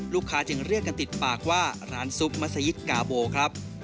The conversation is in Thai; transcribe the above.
จึงเรียกกันติดปากว่าร้านซุปมัศยิตกาโบครับ